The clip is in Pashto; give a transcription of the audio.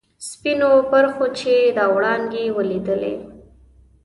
سپینو پرخو چې دا وړانګې ولیدلي.